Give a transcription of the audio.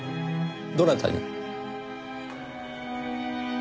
どなたに？